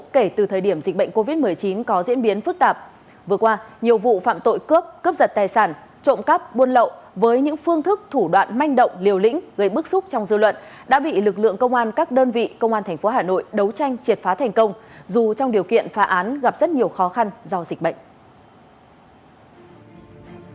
covid một mươi chín có diễn biến phức tạp vừa qua nhiều vụ phạm tội cướp cướp giật tài sản trộm cắp buôn lậu với những phương thức thủ đoạn manh động liều lĩnh gây bức xúc trong dư luận đã bị lực lượng công an các đơn vị công an tp hà nội đấu tranh triệt phá thành công dù trong điều kiện phá án gặp rất nhiều khó khăn do dịch bệnh